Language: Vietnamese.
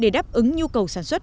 để đáp ứng nhu cầu sản xuất